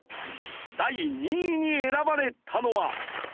第２位に選ばれたのは。